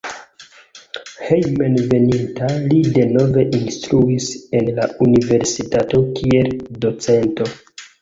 Hejmenveninta li denove instruis en la universitato kiel docento.